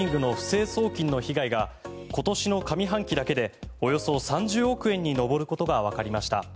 ネットバンキングの不正送金の被害が今年の上半期だけでおよそ３０億円に上ることがわかりました。